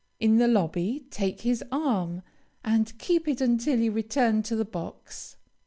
In the lobby take his arm, and keep it until you return to the box.